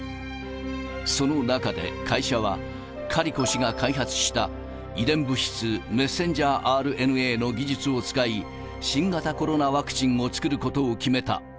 その中で会社は、カリコ氏が開発した遺伝物質、メッセンジャーＲＮＡの技術を使い、新型コロナワクチンを作ることを決めた。